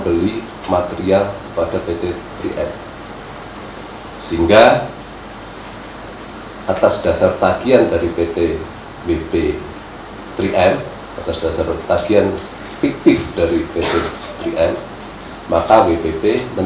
jalan jalan men